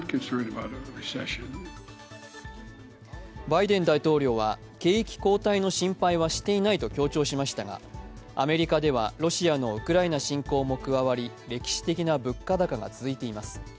バイデン大統領は、景気後退の心配はしていないと強調しましたが、アメリカでは、ロシアのウクライナ侵攻も加わり、歴史的な物価高が続いています。